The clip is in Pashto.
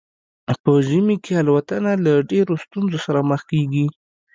په ژمي کې الوتنه له ډیرو ستونزو سره مخ کیږي